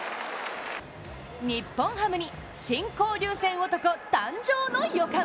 日本ハムに新交流戦男、誕生の予感。